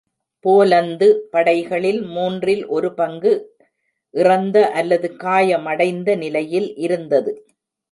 Poland படைகளில் மூன்றில் ஒரு பங்கு இறந்த அல்லது காயமடைந்த நிலையில் இருந்தது.